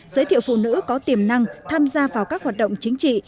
giới thiệu phụ nữ có tiềm năng tham gia vào các hoạt động chính trị